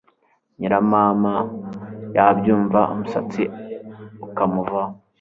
nyiramama yabyumva umusatsi ukamuvaho